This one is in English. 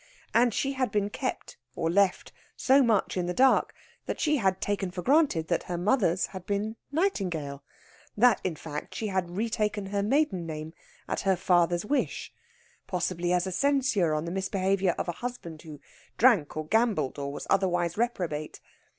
And she had been kept, or left, so much in the dark that she had taken for granted that her mother's had been Nightingale that, in fact, she had retaken her maiden name at her father's wish, possibly as a censure on the misbehaviour of a husband who drank or gambled or was otherwise reprobate.